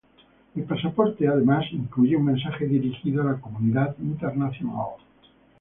El pasaporte además incluye un mensaje dirigido a la comunidad internacional.